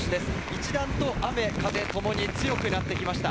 一段と雨風ともに強くなってきました。